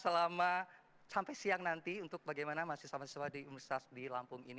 kita akan memandu acara selama sampai siang nanti untuk bagaimana mahasiswa mahasiswa di universitas di lampung ini